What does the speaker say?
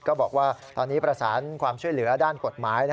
ก็บอกว่าตอนนี้ประสานความช่วยเหลือด้านกฎหมาย